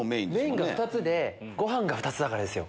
メインが２つでご飯が２つだからですよ。